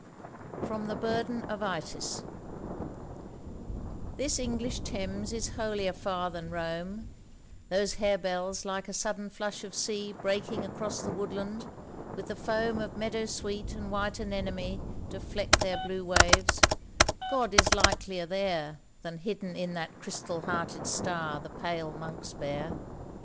FROM 'THE BURDEN OF ITYS' THIS English Thames is holier far than Rome, Those harebells like a sudden flush of sea Breaking across the woodland, with the foam Of meadow sweet and white anemone To fleck their blue waves,—God is likelier there Than hidden in that crystal hearted star the pale monks bear!